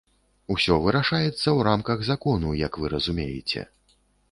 Усё вырашаецца ў рамках закону, як вы разумееце.